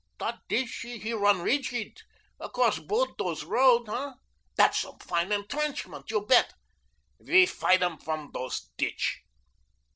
Dot ditsch he run righd across BOTH dose road, hey? Dat's some fine entrenchment, you bedt. We fighd um from dose ditsch."